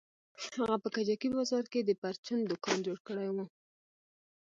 هغه په کجکي بازار کښې د پرچون دوکان جوړ کړى و.